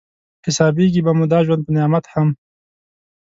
حسابېږي به مو دا ژوند په نعمت هم